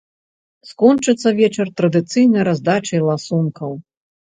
Скончыцца вечар традыцыйнай раздачай ласункаў.